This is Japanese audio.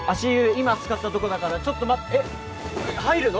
今つかったとこだからちょっと待ってえっ入るの？